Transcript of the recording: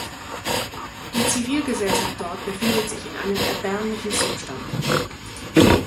Die Zivilgesellschaft dort befindet sich in einem erbärmlichen Zustand.